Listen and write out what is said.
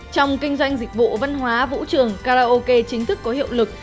trong kinh doanh dịch vụ văn hóa vũ trường karaoke chính thức có hiệu lực